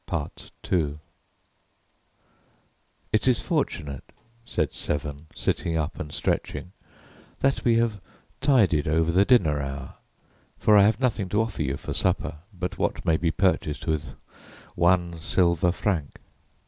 II "It is fortunate," said Severn, sitting up and stretching, "that we have tided over the dinner hour, for I have nothing to offer you for supper but what may be purchased with one silver franc."